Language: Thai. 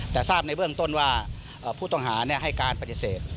แต่ทราบในเบื้องต้นว่าผู้ต้องหาให้การปฏิเสธ